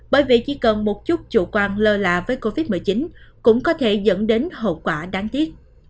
bởi vì chỉ cần một chút chủ quan lơ lạ với covid một mươi chín cũng có thể dẫn đến hậu quả đáng tiếc